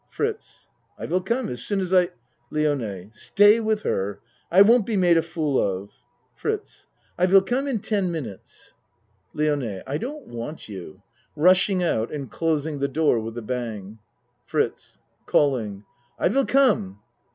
FRITZ I will come as soon as I LIONE Stay with her. I won't be made a fool of. FRITZ I vill come in ten minutes. ACT I 33 LIONE I don't want you. (Rushing out and closing the door with a bang.) FRITZ (Calling.) I will come.